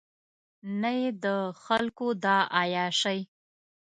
نه یې د خلکو دا عیاشۍ.